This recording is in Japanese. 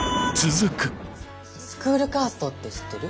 スクールカーストって知ってる？